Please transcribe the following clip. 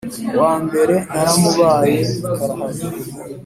uwa mbere naramubaye karahava,